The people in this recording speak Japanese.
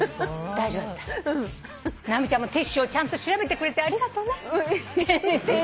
直美ちゃんもティッシュをちゃんと調べてくれてありがとね。